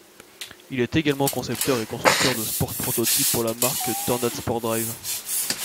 Il est également concepteur et constructeur de sports prototypes pour la marque TornadeSport Drive.